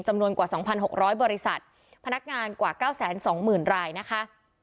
จำนวนกว่าสองพันหกร้อยบริษัทพนักงานกว่าเก้าแสนสองหมื่นรายนะคะ